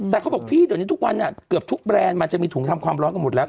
แต่เขาบอกพี่เดี๋ยวนี้ทุกวันเกือบทุกแบรนด์มันจะมีถุงทำความร้อนกันหมดแล้ว